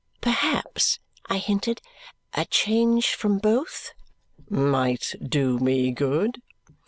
"Perhaps," I hinted, "a change from both " "Might do me good?"